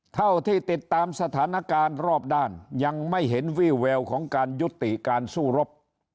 เท่าที่ติดตามสถานการณ์รอบด้านยังไม่เห็นวี่แววของการยุติการสู้รบ